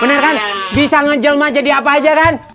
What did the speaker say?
bener kan bisa ngejelma jadi apa aja kan